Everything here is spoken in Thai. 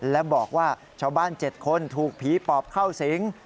และบอกว่าชาวบ้าน๗คนถูกผีปอบเข้าสิง